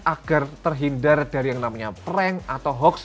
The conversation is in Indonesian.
agar terhindar dari yang namanya prank atau hoax